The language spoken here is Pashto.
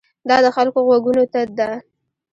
دا د خلکو غوږونو ته ده.